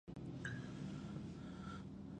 يا د فيمنيزم په پلوۍ له شعارونو هاخوا د شننې مېتود دى.